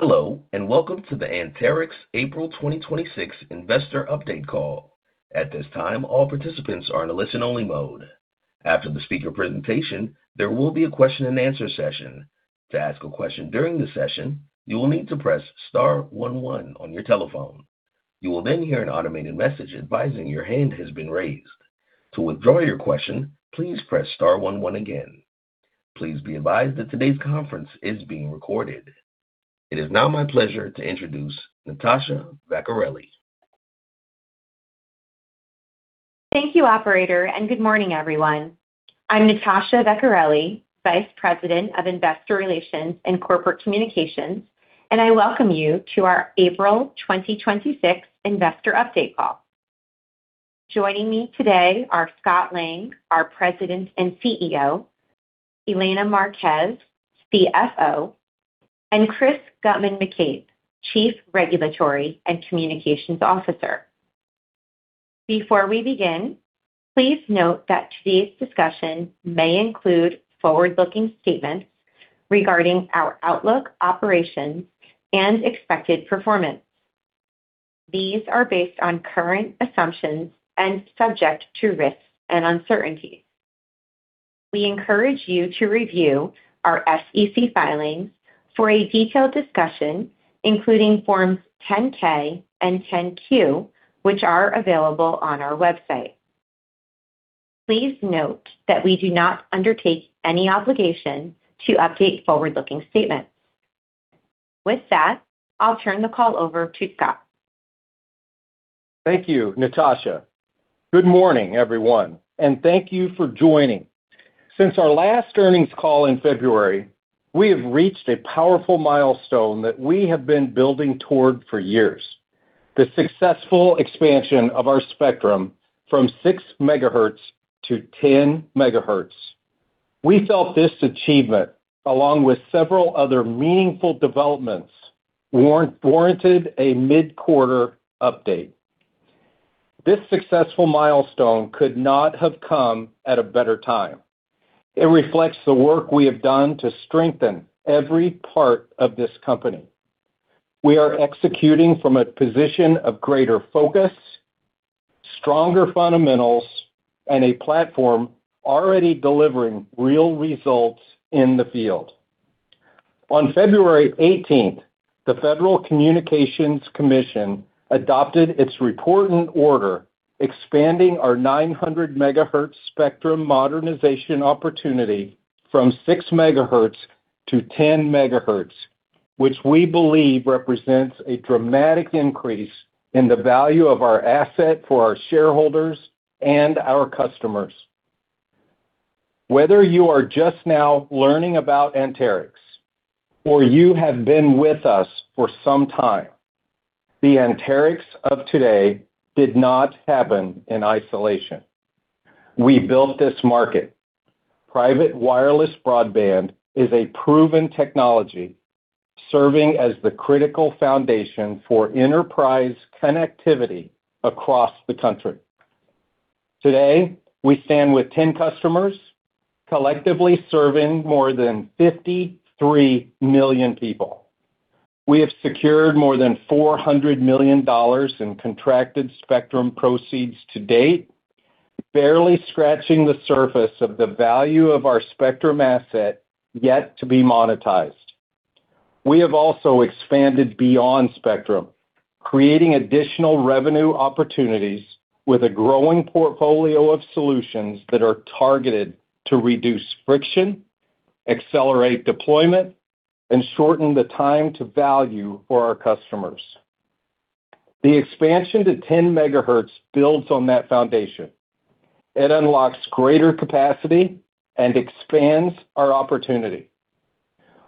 Hello, and welcome to the Anterix April 2026 Investor Update call. At this time, all participants are in a listen-only mode. After the speaker presentation, there will be a question-and-answer session. To ask a question during the session, you will need to press star one one on your telephone. You will then hear an automated message advising your hand has been raised. To withdraw your question, please press star one one again. Please be advised that today's conference is being recorded. It is now my pleasure to introduce Natasha Vecchiarelli. Thank you operator, and good morning, everyone. I'm Natasha Vecchiarelli, Vice President of Investor Relations and Corporate Communications, and I welcome you to our April 2026 Investor Update call. Joining me today are Scott Lang, our President and CEO, Elena Marquez, CFO, and Chris Guttman-McCabe, Chief Regulatory and Communications Officer. Before we begin, please note that today's discussion may include forward-looking statements regarding our outlook, operations, and expected performance. These are based on current assumptions and subject to risks and uncertainties. We encourage you to review our SEC filings for a detailed discussion, including forms 10-K and 10-Q, which are available on our website. Please note that we do not undertake any obligation to update forward-looking statements. With that, I'll turn the call over to Scott. Thank you, Natasha. Good morning, everyone, and thank you for joining. Since our last earnings call in February, we have reached a powerful milestone that we have been building toward for years, the successful expansion of our spectrum from 6 MHz to 10 MHz. We felt this achievement, along with several other meaningful developments, warranted a mid-quarter update. This successful milestone could not have come at a better time. It reflects the work we have done to strengthen every part of this company. We are executing from a position of greater focus, stronger fundamentals, and a platform already delivering real results in the field. On February 18th, the Federal Communications Commission adopted its Report and Order, expanding our 900 MHz spectrum modernization opportunity from 6 MHz to 10 MHz, which we believe represents a dramatic increase in the value of our asset for our shareholders and our customers. Whether you are just now learning about Anterix or you have been with us for some time, the Anterix of today did not happen in isolation. We built this market. Private wireless broadband is a proven technology, serving as the critical foundation for enterprise connectivity across the country. Today, we stand with 10 customers, collectively serving more than 53 million people. We have secured more than $400 million in contracted spectrum proceeds to-date, barely scratching the surface of the value of our spectrum asset yet to be monetized. We have also expanded beyond spectrum, creating additional revenue opportunities with a growing portfolio of solutions that are targeted to reduce friction, accelerate deployment, and shorten the time to value for our customers. The expansion to 10 MHz builds on that foundation. It unlocks greater capacity and expands our opportunity.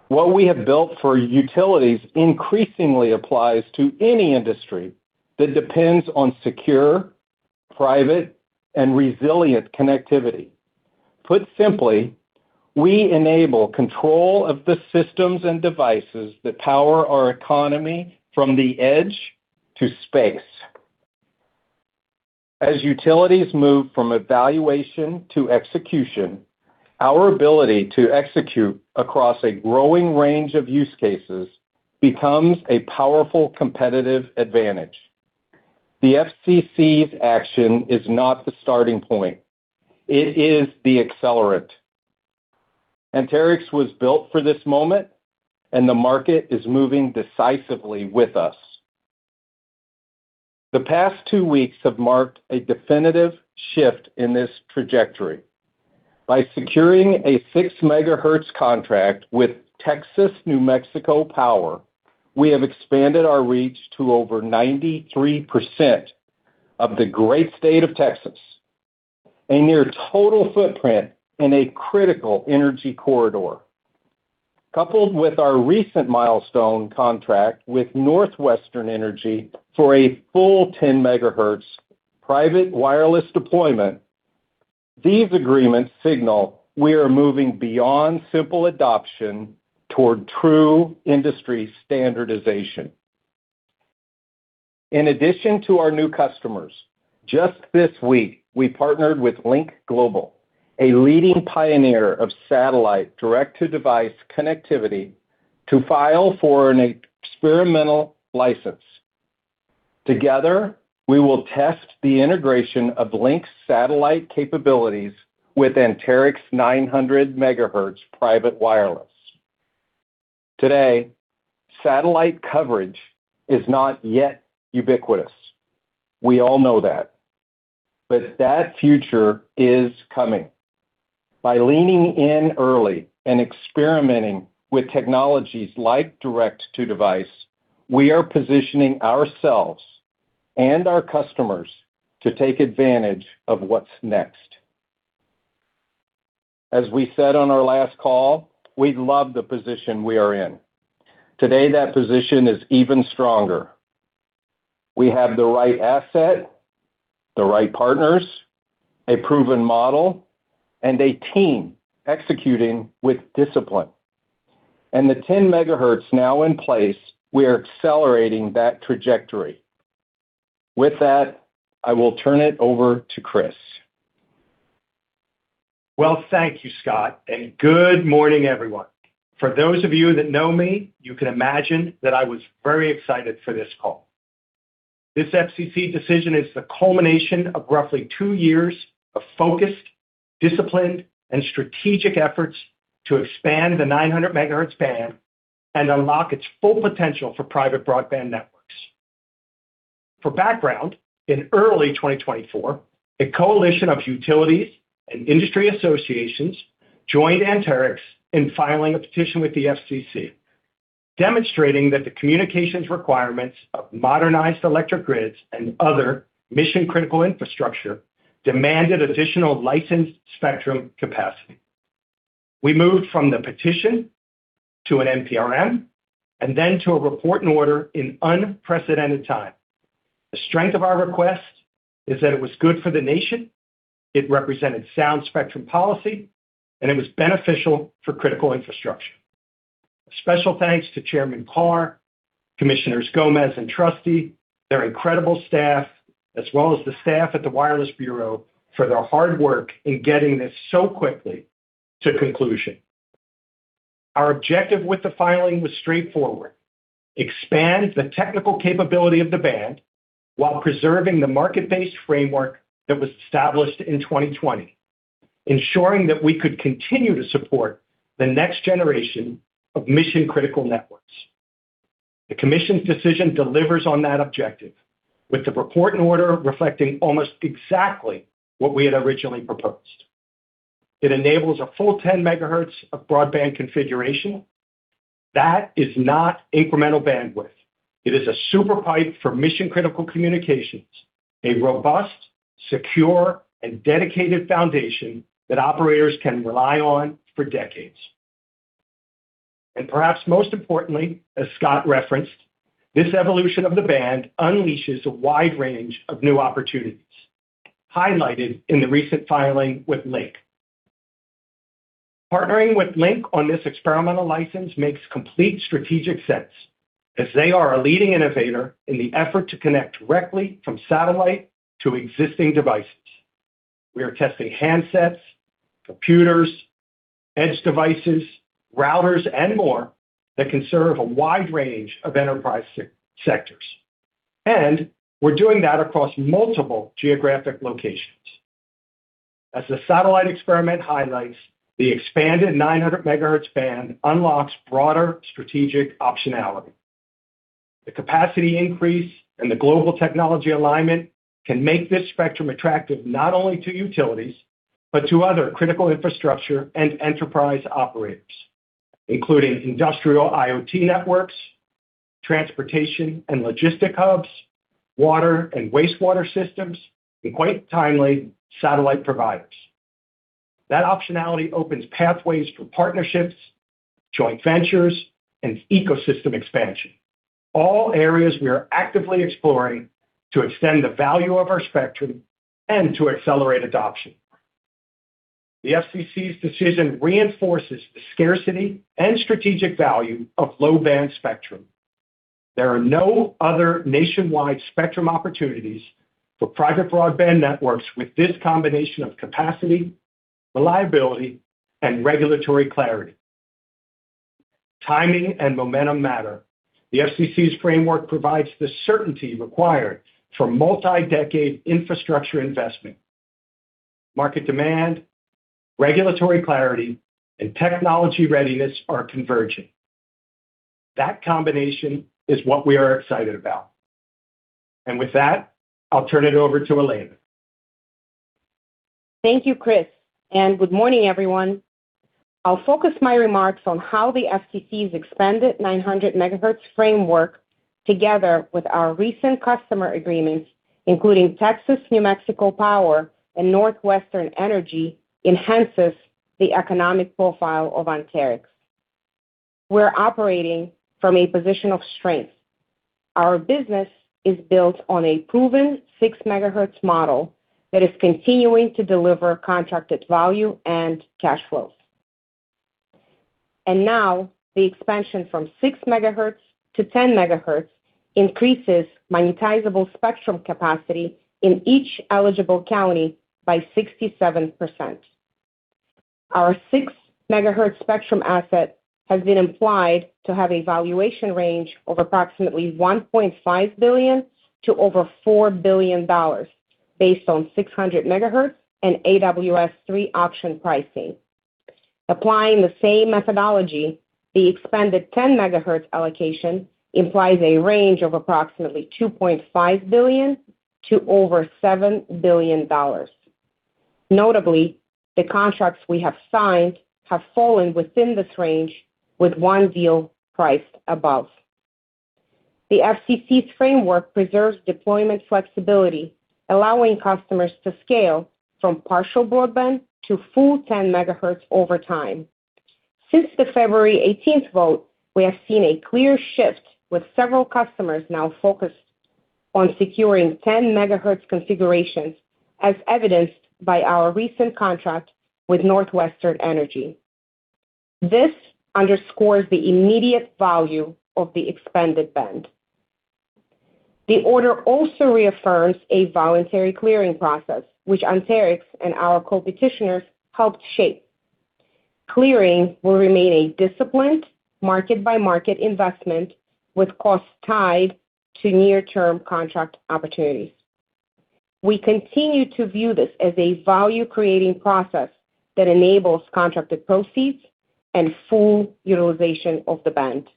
What we have built for utilities increasingly applies to any industry that depends on secure, private, and resilient connectivity. Put simply, we enable control of the systems and devices that power our economy from the edge to space. As utilities move from evaluation to execution, our ability to execute across a growing range of use cases becomes a powerful competitive advantage. The FCC's action is not the starting point. It is the accelerant. Anterix was built for this moment, and the market is moving decisively with us. The past two weeks have marked a definitive shift in this trajectory. By securing a 6 MHz contract with Texas-New Mexico Power, we have expanded our reach to over 93% of the great state of Texas, a near total footprint in a critical energy corridor. Coupled with our recent milestone contract with NorthWestern Energy for a full 10 MHz private wireless deployment, these agreements signal we are moving beyond simple adoption toward true industry standardization. In addition to our new customers, just this week, we partnered with Lynk Global, a leading pioneer of satellite direct-to-device connectivity, to file for an experimental license. Together, we will test the integration of Lynk's satellite capabilities with Anterix's 900 MHz private wireless. Today, satellite coverage is not yet ubiquitous. We all know that. But that future is coming. By leaning in early and experimenting with technologies like direct-to-device, we are positioning ourselves and our customers to take advantage of what's next. As we said on our last call, we love the position we are in. Today, that position is even stronger. We have the right asset, the right partners, a proven model, and a team executing with discipline. The 10 MHz now in place, we are accelerating that trajectory. With that, I will turn it over to Chris. Well, thank you, Scott, and good morning, everyone. For those of you that know me, you can imagine that I was very excited for this call. This FCC decision is the culmination of roughly two years of focused, disciplined, and strategic efforts to expand the 900 MHz band and unlock its full potential for private broadband networks. For background, in early 2024, a coalition of utilities and industry associations joined Anterix in filing a petition with the FCC, demonstrating that the communications requirements of modernized electric grids and other mission-critical infrastructure demanded additional licensed spectrum capacity. We moved from the petition to an NPRM and then to a Report and Order in unprecedented time. The strength of our request is that it was good for the nation, it represented sound spectrum policy, and it was beneficial for critical infrastructure. Special thanks to Chairman Carr, Commissioners Gomez and Trusty, their incredible staff, as well as the staff at the Wireless Bureau for their hard work in getting this so quickly to conclusion. Our objective with the filing was straightforward: expand the technical capability of the band while preserving the market-based framework that was established in 2020, ensuring that we could continue to support the next-generation of mission-critical networks. The Commission's decision delivers on that objective, with the Report and Order reflecting almost exactly what we had originally proposed. It enables a full 10 MHz of broadband configuration. That is not incremental bandwidth. It is a super pipe for mission-critical communications, a robust, secure, and dedicated foundation that operators can rely on for decades. Perhaps most importantly, as Scott referenced, this evolution of the band unleashes a wide range of new opportunities, highlighted in the recent filing with Lynk. Partnering with Lynk on this experimental license makes complete strategic sense, as they are a leading innovator in the effort to connect directly from satellite to existing devices. We are testing handsets, computers, edge devices, routers, and more that can serve a wide range of enterprise sectors. We're doing that across multiple geographic locations. As the satellite experiment highlights, the expanded 900 MHz band unlocks broader strategic optionality. The capacity increase and the global technology alignment can make this spectrum attractive not only to utilities, but to other critical infrastructure and enterprise operators, including industrial IoT networks, transportation and logistics hubs, water and wastewater systems, and quite timely, satellite providers. That optionality opens pathways for partnerships, joint ventures, and ecosystem expansion, all areas we are actively exploring to extend the value of our spectrum and to accelerate adoption. The FCC's decision reinforces the scarcity and strategic value of low-band spectrum. There are no other nationwide spectrum opportunities for private broadband networks with this combination of capacity, reliability, and regulatory clarity. Timing and momentum matter. The FCC's framework provides the certainty required for multi-decade infrastructure investment. Market demand, regulatory clarity, and technology readiness are converging. That combination is what we are excited about. With that, I'll turn it over to Elena. Thank you, Chris, and good morning, everyone. I'll focus my remarks on how the FCC's expanded 900 MHz framework, together with our recent customer agreements, including Texas-New Mexico Power and NorthWestern Energy, enhances the economic profile of Anterix. We're operating from a position of strength. Our business is built on a proven 6 MHz model that is continuing to deliver contracted value and cash flow. Now the expansion from 6 MHz to 10 MHz increases monetizable spectrum capacity in each eligible county by 67%. Our 6 MHz spectrum asset has been implied to have a valuation range of approximately $1.5 billion to over $4 billion, based on 600 MHz and AWS-3 auction pricing. Applying the same methodology, the expanded 10 MHz allocation implies a range of approximately $2.5 billion to over $7 billion. Notably, the contracts we have signed have fallen within this range, with one deal priced above. The FCC's framework preserves deployment flexibility, allowing customers to scale from partial broadband to full 10 MHz over time. Since the February 18th vote, we have seen a clear shift, with several customers now focused on securing 10 MHz configurations, as evidenced by our recent contract with NorthWestern Energy. This underscores the immediate value of the expanded band. The order also reaffirms a voluntary clearing process, which Anterix and our co-petitioners helped shape. Clearing will remain a disciplined, market-by-market investment with costs tied to near-term contract opportunities. We continue to view this as a value-creating process that enables contracted proceeds and full utilization of the band.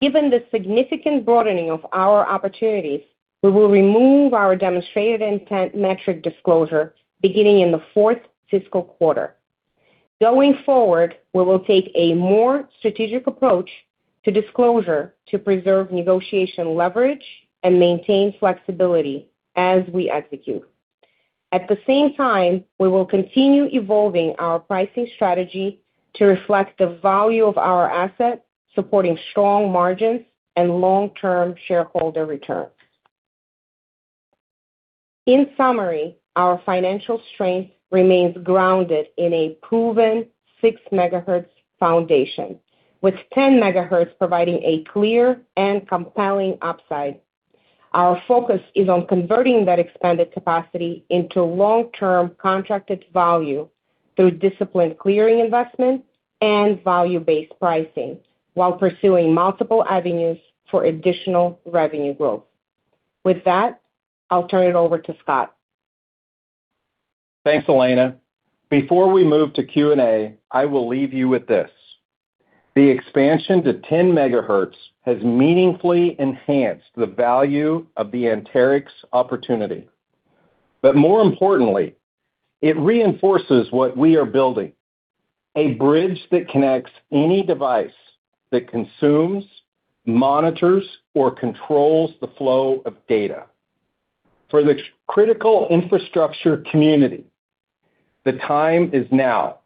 Given the significant broadening of our opportunities, we will remove our demonstrated intent metric disclosure beginning in the fourth fiscal quarter. Going forward, we will take a more strategic approach to disclosure to preserve negotiation leverage and maintain flexibility as we execute. At the same time, we will continue evolving our pricing strategy to reflect the value of our asset, supporting strong margins and long-term shareholder returns. In summary, our financial strength remains grounded in a proven 6 MHz foundation, with 10 MHz providing a clear and compelling upside. Our focus is on converting that expanded capacity into long-term contracted value through disciplined clearing investments and value-based pricing while pursuing multiple avenues for additional revenue growth. With that, I'll turn it over to Scott. Thanks, Elena. Before we move to Q&A, I will leave you with this. The expansion to 10 MHz has meaningfully enhanced the value of the Anterix opportunity. More importantly, it reinforces what we are building. A bridge that connects any device that consumes, monitors, or controls the flow of data. For the critical infrastructure community, the time is now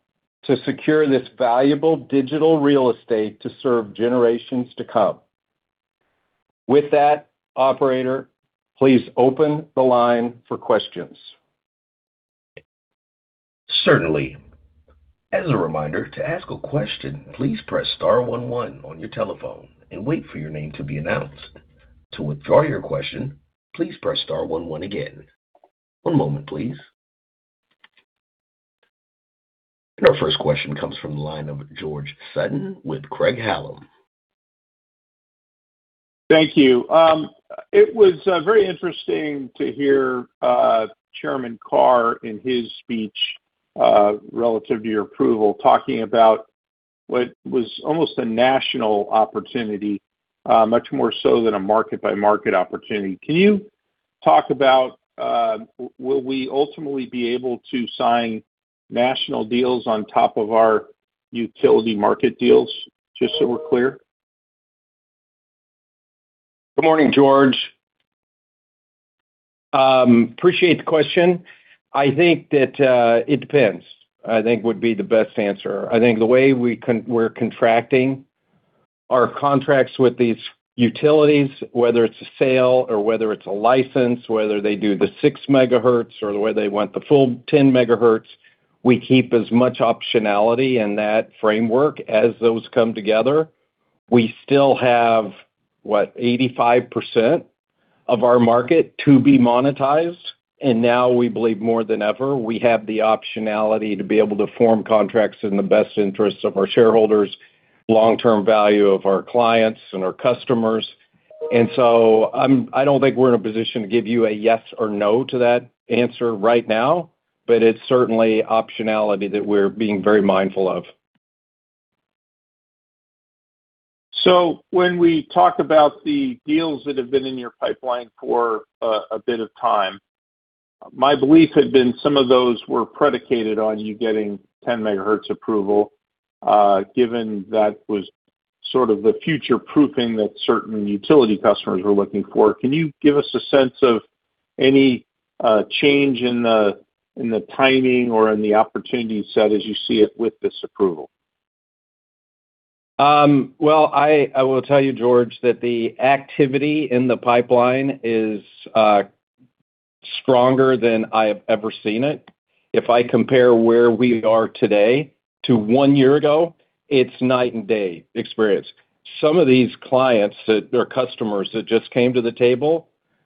to secure this valuable digital real estate to serve generations to come. With that, operator, please open the line for questions. Our first question comes from the line of George Sutton with Craig-Hallum. Thank you. It was very interesting to hear Chairman Carr in his speech, relative to your approval, talking about what was almost a national opportunity, much more so than a market-by-market opportunity. Can you talk about will we ultimately be able to sign national deals on top of our utility market deals, just so we're clear? Good morning, George. I appreciate the question. I think that it depends, I think would be the best answer. I think the way we're contracting our contracts with these utilities, whether it's a sale or whether it's a license, whether they do the 6 MHz or whether they want the full 10 MHz, we keep as much optionality in that framework as those come together. We still have, what, 85% of our market to be monetized. Now we believe more than ever, we have the optionality to be able to form contracts in the best interests of our shareholders, long-term value of our clients and our customers. I don't think we're in a position to give you a yes or no to that answer right now, but it's certainly optionality that we're being very mindful of. When we talk about the deals that have been in your pipeline for a bit of time, my belief had been some of those were predicated on you getting 10 megahertz approval, given that was sort of the future-proofing that certain utility customers were looking for. Can you give us a sense of any change in the timing or in the opportunity set as you see it with this approval? Well, I will tell you, George, that the activity in the pipeline is stronger than I have ever seen it. If I compare where we are today to one year ago, it's night and day experience. Some of these clients, they're customers that just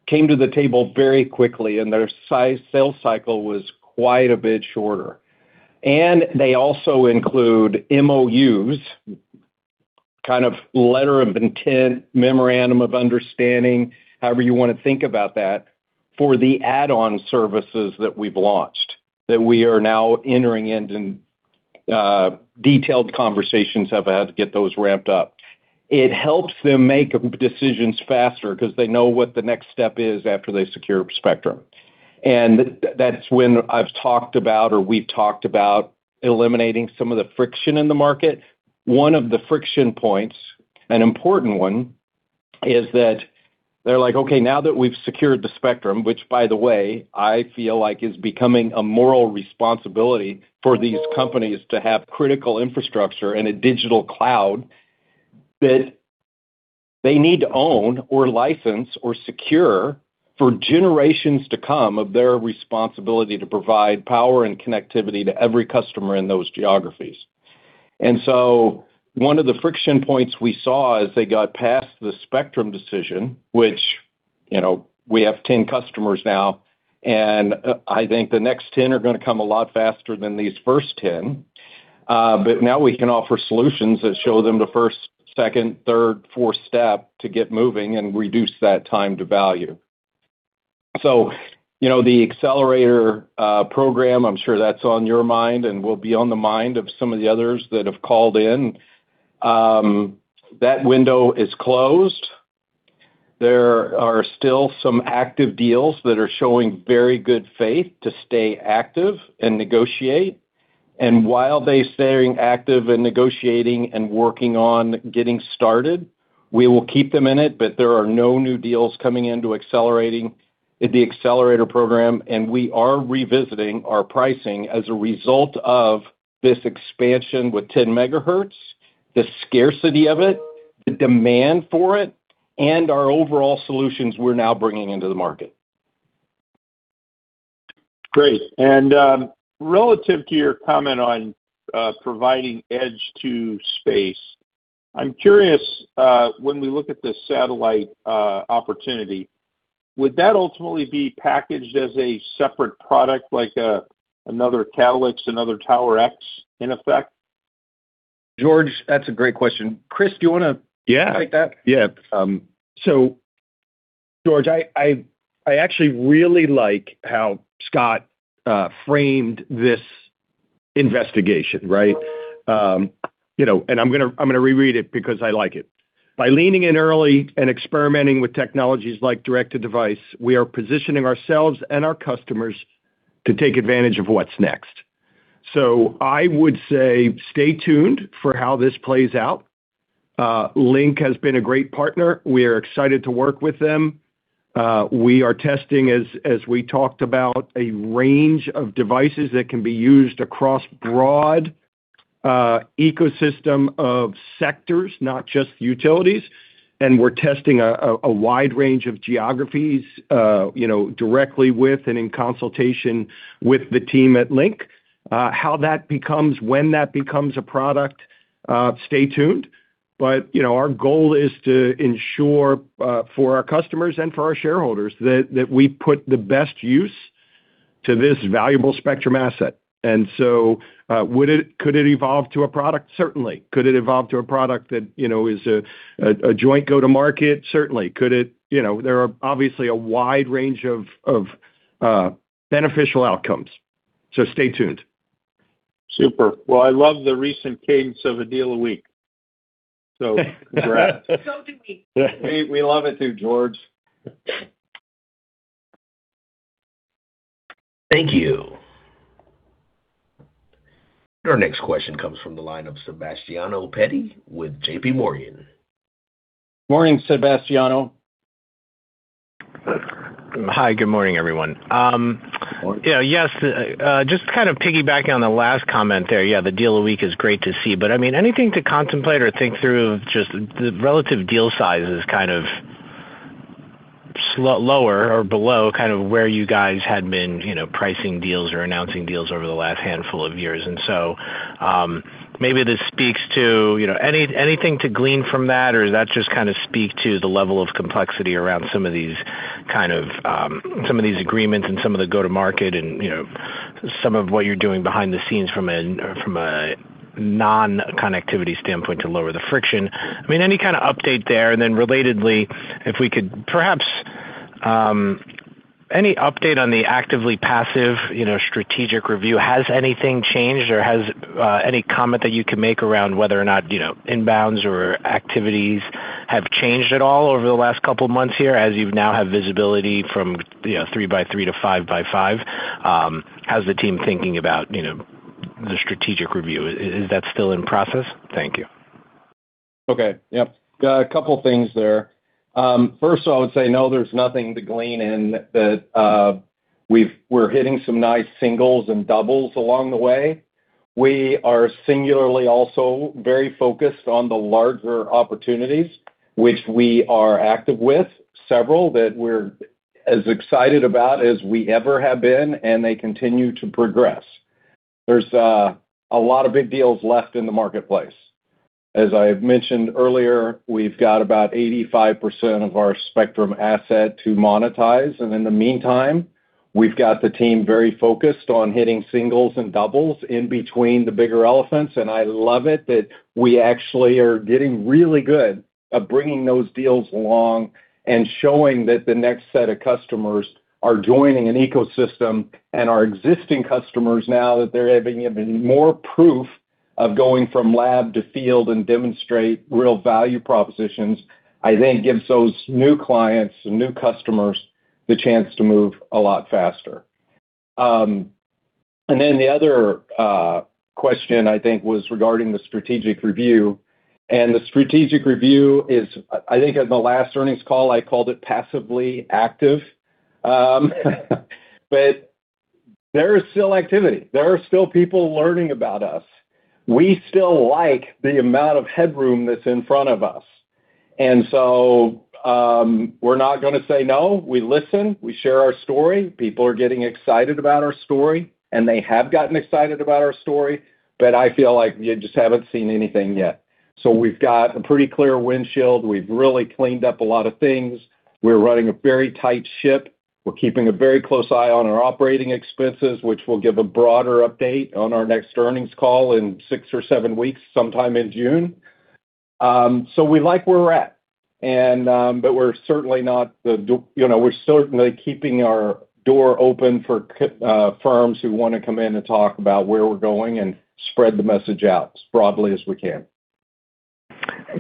came to the table very quickly, and their sales cycle was quite a bit shorter. They also include MOUs, kind of letter of intent, memorandum of understanding, however you want to think about that, for the add-on services that we've launched, that we are now entering into detailed conversations about how to get those ramped up. It helps them make decisions faster because they know what the next step is after they secure spectrum. That's when I've talked about, or we've talked about eliminating some of the friction in the market. One of the friction points, an important one, is that they're like, "Okay, now that we've secured the spectrum," which by the way, I feel like is becoming a moral responsibility for these companies to have critical infrastructure in a digital cloud that they need to own or license or secure for generations to come of their responsibility to provide power and connectivity to every customer in those geographies. One of the friction points we saw as they got past the spectrum decision, which we have 10 customers now, and I think the next 10 are going to come a lot faster than these first 10. Now we can offer solutions that show them the first, second, third, fourth step to get moving and reduce that time to value. The Accelerator program, I'm sure that's on your mind and will be on the mind of some of the others that have called in. That window is closed. There are still some active deals that are showing very good faith to stay active and negotiate. While they're staying active and negotiating and working on getting started, we will keep them in it, but there are no new deals coming into the Accelerator program, and we are revisiting our pricing as a result of this expansion with 10 MHz, the scarcity of it, the demand for it, and our overall solutions we're now bringing into the market. Great. Relative to your comment on providing edge-to-space, I'm curious, when we look at the satellite opportunity, would that ultimately be packaged as a separate product, like another CatalyX, another TowerX, in effect? George, that's a great question. Chris, do you want to- Yeah take that? Yeah. George, I actually really like how Scott framed this investigation, right? I'm going to reread it because I like it. By leaning in early and experimenting with technologies like direct-to-device, we are positioning ourselves and our customers to take advantage of what's next. I would say stay tuned for how this plays out. Lynk has been a great partner. We are excited to work with them. We are testing, as we talked about, a range of devices that can be used across broad ecosystem of sectors, not just utilities, and we're testing a wide range of geographies directly with and in consultation with the team at Lynk. How that becomes, when that becomes a product, stay tuned. Our goal is to ensure for our customers and for our shareholders that we put the best use to this valuable spectrum asset. Could it evolve to a product? Certainly. Could it evolve to a product that is a joint go-to-market? Certainly. There are obviously a wide range of beneficial outcomes, so stay tuned. Super. Well, I love the recent cadence of a deal a week. Congrats. So do we. We love it too, George. Thank you. Our next question comes from the line of Sebastiano Petti with JPMorgan. Morning, Sebastiano. Hi, Good morning everyone. Yes. Just to kind of piggyback on the last comment there. Yeah, the deal a week is great to see, but I mean, anything to contemplate or think through, just the relative deal size is kind of lower or below where you guys had been pricing deals or announcing deals over the last handful of years. Maybe this speaks to anything to glean from that, or does that just speak to the level of complexity around some of these agreements and some of the go-to-market, and some of what you're doing behind the scenes from a non-connectivity standpoint to lower the friction? I mean, any kind of update there? Relatedly, perhaps, any update on the actively passive strategic review? Has anything changed or any comment that you can make around whether or not inbounds or activities have changed at all over the last couple of months here, as you now have visibility from 3x3 to 5x5? How's the team thinking about the strategic review? Is that still in process? Thank you. Okay. Yep. A couple of things there. First of all, I would say, no, there's nothing to glean in there. We're hitting some nice singles and doubles along the way. We are singularly also very focused on the larger opportunities which we are active with, several that we're as excited about as we ever have been, and they continue to progress. There's a lot of big deals left in the marketplace. As I've mentioned earlier, we've got about 85% of our spectrum asset to monetize. In the meantime, we've got the team very focused on hitting singles and doubles in between the bigger elephants. I love it that we actually are getting really good at bringing those deals along and showing that the next set of customers are joining an ecosystem, and our existing customers, now that they're having more proof of going from lab to field and demonstrate real value propositions, I think gives those new clients, new customers, the chance to move a lot faster. The other question, I think, was regarding the strategic review. The strategic review is, I think in the last earnings call, I called it passively active. There is still activity. There are still people learning about us. We still like the amount of headroom that's in front of us. We're not going to say no. We listen. We share our story. People are getting excited about our story, and they have gotten excited about our story, but I feel like you just haven't seen anything yet. We've got a pretty clear windshield. We've really cleaned up a lot of things. We're running a very tight ship. We're keeping a very close eye on our operating expenses, which will give a broader update on our next earnings call in six or seven weeks, sometime in June. We like where we're at, but we're certainly keeping our door open for firms who want to come in and talk about where we're going and spread the message out as broadly as we can.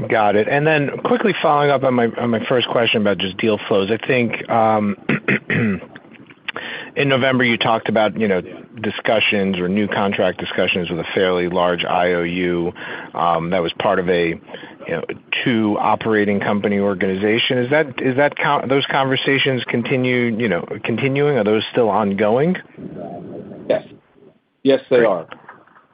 Got it. Quickly following up on my first question about just deal flows. I think in November you talked about discussions or new contract discussions with a fairly large IOU that was part of a two-operating company organization. Are those conversations continuing? Are those still ongoing? Yes. Yes, they are.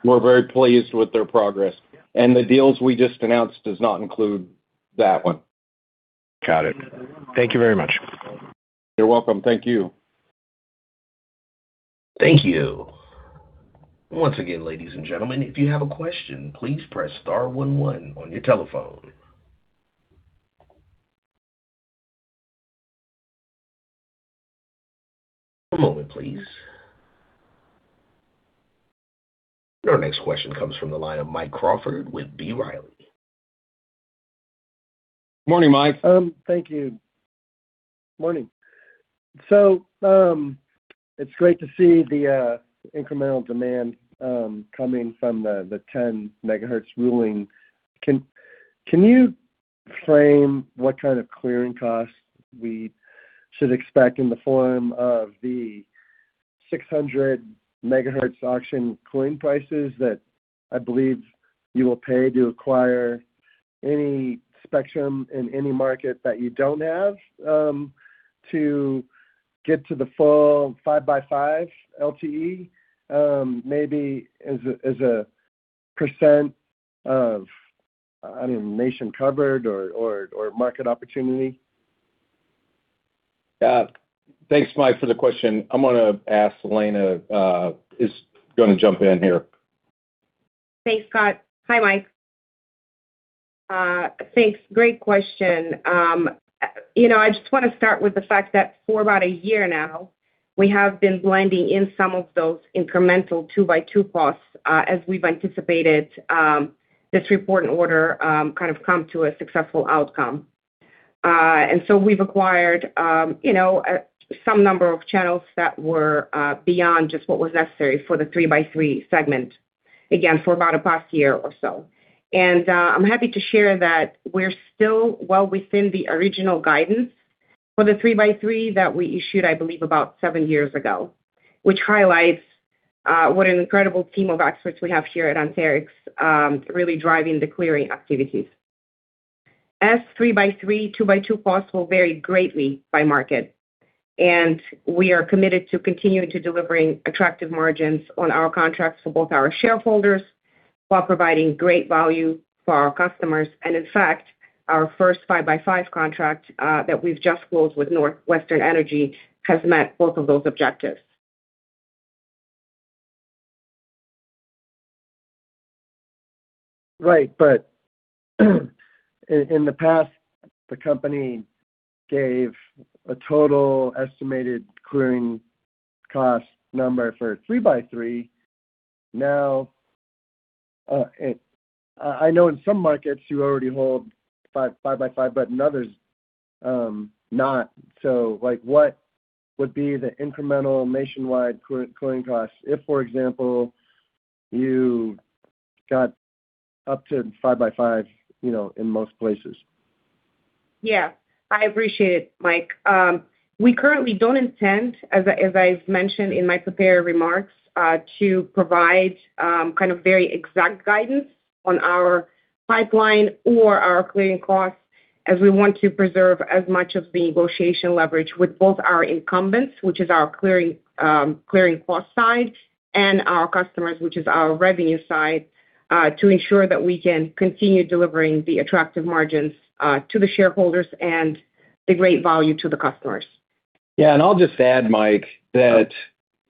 We're very pleased with their progress. The deals we just announced does not include that one. Got it. Thank you very much. You're welcome. Thank you. Thank you. Once again, ladies and gentlemen, if you have a question, please press star one one on your telephone. One moment, please. Your next question comes from the line of Mike Crawford with B. Riley. Morning, Mike. Thank you. Good morning. It's great to see the incremental demand coming from the 10 MHz ruling. Can you frame what kind of clearing costs we should expect in the form of the 600 MHz auction clearing prices that, I believe, you will pay to acquire any spectrum in any market that you don't have to get to the full 5x5 LTE? Maybe as a percent of nation covered or market opportunity? Thanks, Mike, for the question. I'm going to ask Elena to jump in here. Thanks, Scott. Hi, Mike. Thanks. Great question. I just want to start with the fact that for about a year now, we have been blending in some of those incremental 2x2 costs as we've anticipated this report in order kind of come to a successful outcome. We've acquired some number of channels that were beyond just what was necessary for the 3x3 segment, again, for about the past year or so. I'm happy to share that we're still well within the original guidance for the 3x3 that we issued, I believe, about seven years ago, which highlights what an incredible team of experts we have here at Anterix really driving the clearing activities. As 3x3, 2x2 costs will vary greatly by market, and we are committed to continuing to delivering attractive margins on our contracts for both our shareholders while providing great value for our customers. In fact, our first 5x5 contract that we've just closed with NorthWestern Energy has met both of those objectives. Right. In the past, the company gave a total estimated clearing cost number for 3x3. Now, I know in some markets you already hold 5x5, but in others not. What would be the incremental nationwide clearing cost if, for example, you got up to 5x5 in most places? Yeah, I appreciate it, Mike. We currently don't intend, as I've mentioned in my prepared remarks, to provide kind of very exact guidance on our pipeline or our clearing costs as we want to preserve as much of the negotiation leverage with both our incumbents, which is our clearing cost side, and our customers, which is our revenue side, to ensure that we can continue delivering the attractive margins to the shareholders and the great value to the customers. Yeah. I'll just add, Mike, that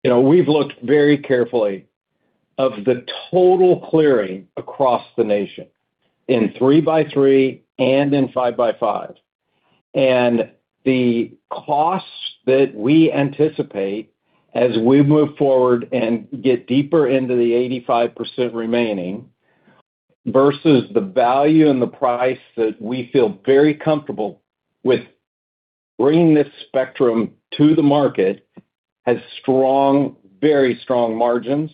we've looked very carefully of the total clearing across the nation in 3x3 and in 5x5. The costs that we anticipate as we move forward and get deeper into the 85% remaining versus the value and the price that we feel very comfortable with bringing this spectrum to the market has very strong margins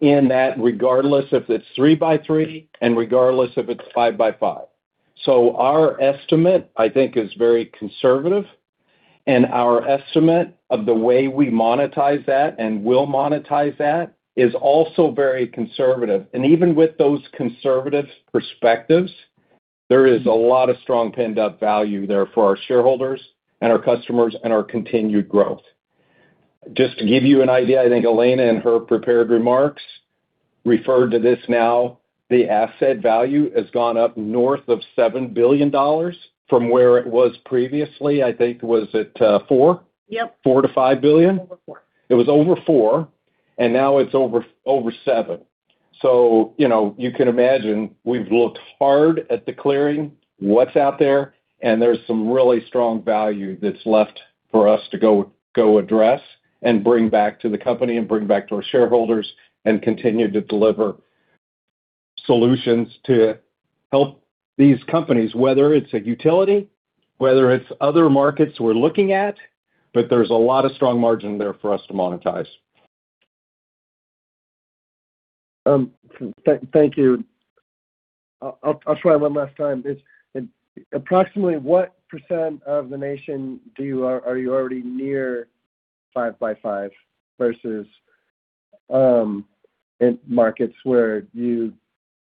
in that regardless if it's 3x3 and regardless if it's 5x5. Our estimate, I think is very conservative, and our estimate of the way we monetize that and will monetize that is also very conservative. Even with those conservative perspectives, there is a lot of strong pent-up value there for our shareholders and our customers and our continued growth. Just to give you an idea, I think Elena, in her prepared remarks, referred to this now. The asset value has gone up north of $7 billion from where it was previously. I think it was at $4 billion? Yep. $4 billion-$5 billion. Over $4 billion. It was over $4 billion, and now it's over $7 billion. You can imagine we've looked hard at the clearing, what's out there, and there's some really strong value that's left for us to go address and bring back to the company and bring back to our shareholders and continue to deliver solutions to help these companies, whether it's a utility, whether it's other markets we're looking at, but there's a lot of strong margin there for us to monetize. Thank you. I'll try one last time. Approximately what percent of the nation are you already near 5x5 versus in markets where you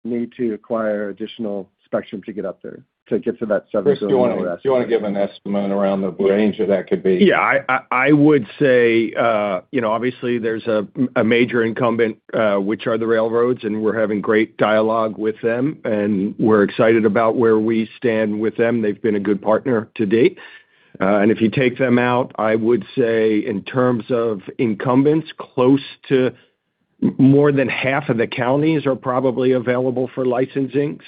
need to acquire additional spectrum to get up there to get to that $7 billion? Chris, do you want to give an estimate around the range of that could be? Yeah. I would say, obviously, there's a major incumbent, which are the railroads, and we're having great dialogue with them, and we're excited about where we stand with them. They've been a good partner to date. If you take them out, I would say in terms of incumbents, close to more than half of the counties are probably available for licensing.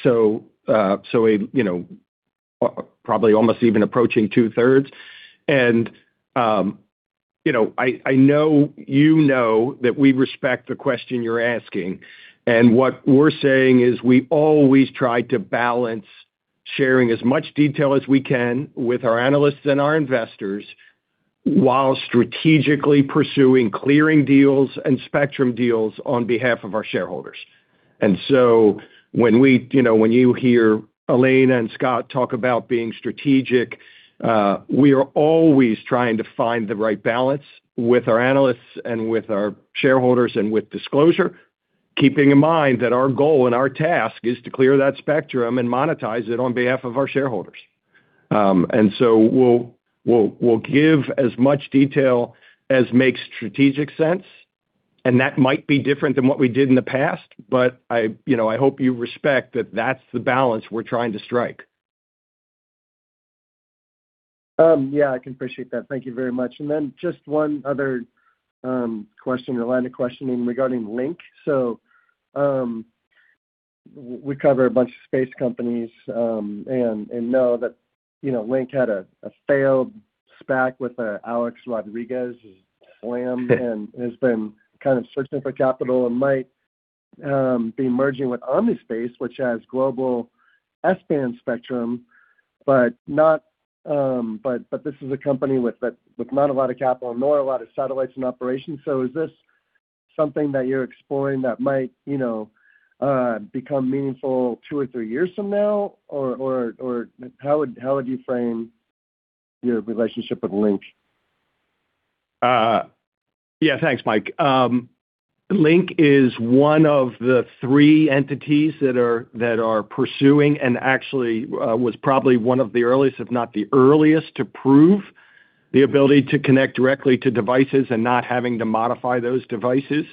Probably almost even approaching two-thirds. I know you know that we respect the question you're asking, and what we're saying is we always try to balance sharing as much detail as we can with our analysts and our investors while strategically pursuing clearing deals and spectrum deals on behalf of our shareholders. When you hear Elena and Scott talk about being strategic, we are always trying to find the right balance with our analysts and with our shareholders and with disclosure, keeping in mind that our goal and our task is to clear that spectrum and monetize it on behalf of our shareholders. We'll give as much detail as makes strategic sense, and that might be different than what we did in the past. I hope you respect that that's the balance we're trying to strike. Yeah. I can appreciate that. Thank you very much. Just one other question or line of questioning regarding Lynk. We cover a bunch of space companies, and know that Lynk had a failed SPAC with Alex Rodriguez, which slammed and has been kind of searching for capital and might be merging with Omnispace, which has global S-band spectrum, but this is a company with not a lot of capital, nor a lot of satellites in operation. Is this something that you're exploring that might become meaningful two or three years from now? How would you frame your relationship with Lynk? Yeah. Thanks, Mike. Lynk is one of the three entities that are pursuing and actually was probably one of the earliest, if not the earliest, to prove the ability to connect directly to devices and not having to modify those devices.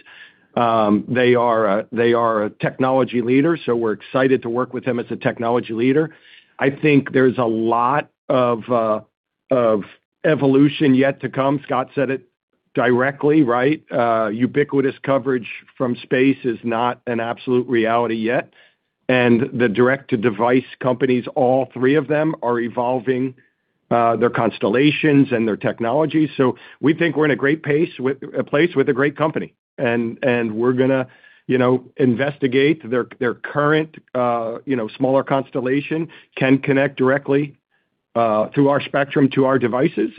They are a technology leader, so we're excited to work with them as a technology leader. I think there's a lot of evolution yet to come. Scott said it directly, right? Ubiquitous coverage from space is not an absolute reality yet. The direct-to-device companies, all three of them, are evolving their constellations and their technology. We think we're in a great place with a great company, and we're going to investigate their current smaller constellation can connect directly through our spectrum to our devices.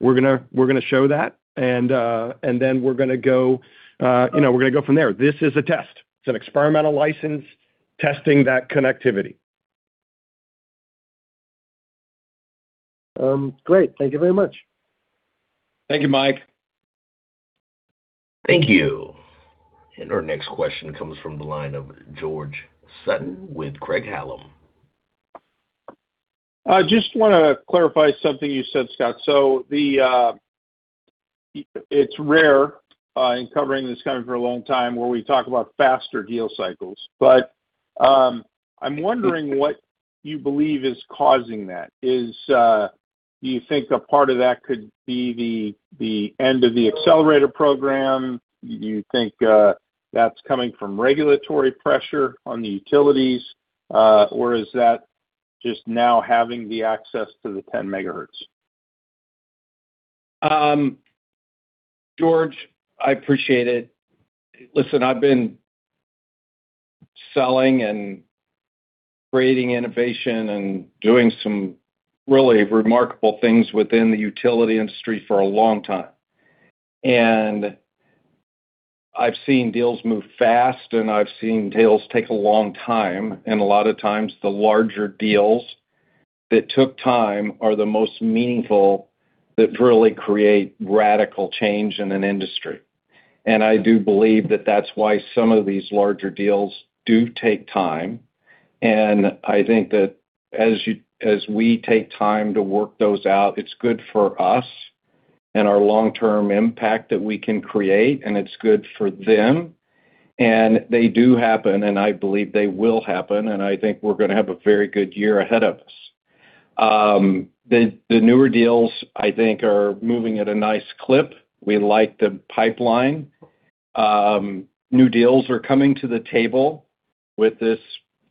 We're going to show that, and then we're going to go from there. This is a test. It's an experimental license testing that connectivity. Great. Thank you very much. Thank you, Mike. Thank you. Our next question comes from the line of George Sutton with Craig-Hallum. I just want to clarify something you said, Scott. It's rare in covering this company for a long time where we talk about faster deal cycles, but I'm wondering what you believe is causing that. Do you think a part of that could be the end of the Accelerator program? Do you think that's coming from regulatory pressure on the utilities? Or is that just now having the access to the 10 MHz? George, I appreciate it. Listen, I've been selling and creating innovation and doing some really remarkable things within the utility industry for a long time. I've seen deals move fast, and I've seen deals take a long time. A lot of times, the larger deals that took time are the most meaningful, that really create radical change in an industry. I do believe that that's why some of these larger deals do take time. I think that as we take time to work those out, it's good for us and our long-term impact that we can create, and it's good for them, and they do happen, and I believe they will happen, and I think we're going to have a very good year ahead of us. The newer deals, I think, are moving at a nice clip. We like the pipeline. New deals are coming to the table with this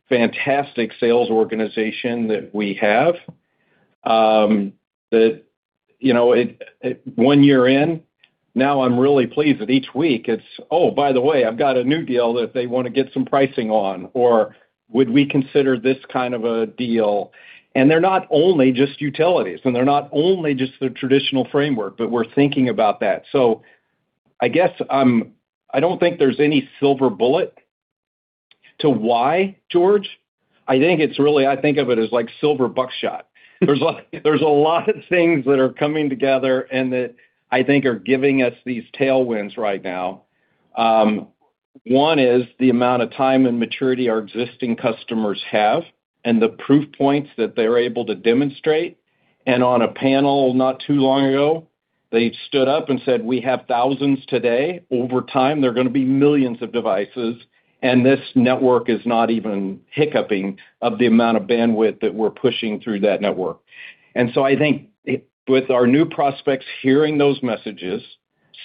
fantastic sales organization that we have. One year in, now I'm really pleased that each week it's, Oh, by the way, I've got a new deal that they want to get some pricing on, or, Would we consider this kind of a deal? They're not only just utilities, and they're not only just the traditional framework, but we're thinking about that. I guess, I don't think there's any silver bullet to why, George. I think of it as like silver buckshot. There's a lot of things that are coming together and that I think are giving us these tailwinds right now. One is the amount of time and maturity our existing customers have and the proof points that they're able to demonstrate. On a panel not too long ago, they stood up and said, We have thousands today. Over time, there are going to be millions of devices, and this network is not even hiccuping of the amount of bandwidth that we're pushing through that network. I think with our new prospects, hearing those messages,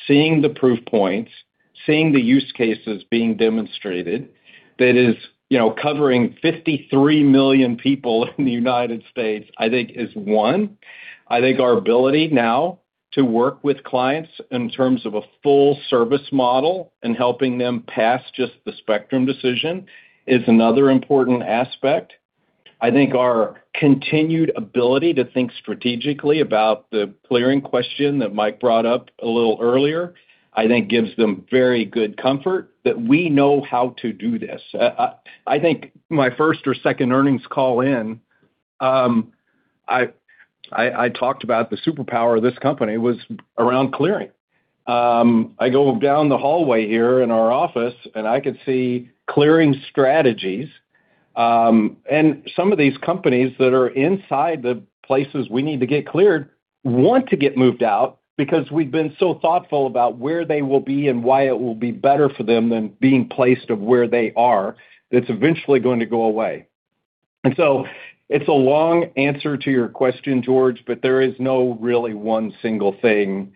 seeing the proof points, seeing the use cases being demonstrated, that is covering 53 million people in the United States, I think is one. I think our ability now to work with clients in terms of a full service model and helping them pass just the spectrum decision is another important aspect. I think our continued ability to think strategically about the clearing question that Mike brought up a little earlier, I think gives them very good comfort that we know how to do this. I think my first or second earnings call in, I talked about the superpower of this company was around clearing. I go down the hallway here in our office, and I could see clearing strategies. Some of these companies that are inside the places we need to get cleared want to get moved out because we've been so thoughtful about where they will be and why it will be better for them than being placed out of where they are, that's eventually going to go away. It's a long answer to your question, George, but there is not really one single thing.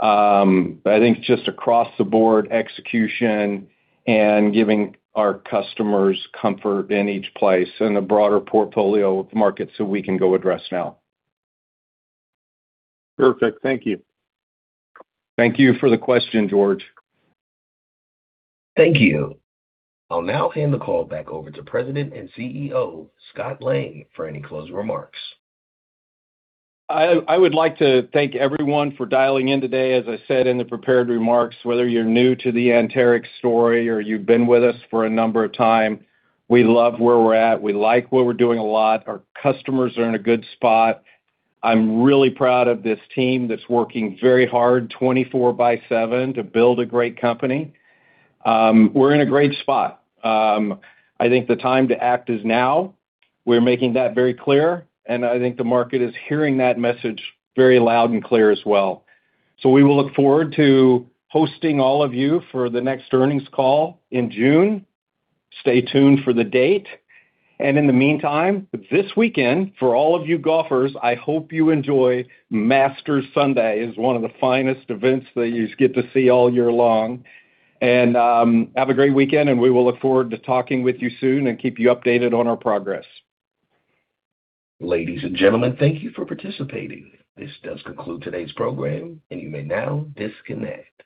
I think it's just across the board execution and giving our customers comfort in each place and a broader portfolio of markets that we can go address now. Perfect. Thank you. Thank you for the question, George. Thank you. I'll now hand the call back over to President and CEO, Scott Lang, for any closing remarks. I would like to thank everyone for dialing in today. As I said in the prepared remarks, whether you're new to the Anterix story or you've been with us for a number of times, we love where we're at. We like what we're doing a lot. Our customers are in a good spot. I'm really proud of this team that's working very hard, 24/7, to build a great company. We're in a great spot. I think the time to act is now. We're making that very clear, and I think the market is hearing that message very loud and clear as well. We will look forward to hosting all of you for the next earnings call in June. Stay tuned for the date. In the meantime, this weekend, for all of you golfers, I hope you enjoy Masters Sunday. It's one of the finest events that you get to see all year long. Have a great weekend, and we will look forward to talking with you soon and keep you updated on our progress. Ladies and gentlemen, thank you for participating. This does conclude today's program, and you may now disconnect.